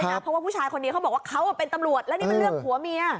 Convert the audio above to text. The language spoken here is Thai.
เพราะว่าผู้ชายคนนี้เขาบอกว่าเขาเป็นตำรวจแล้วนี่มันเรื่องผัวเมีย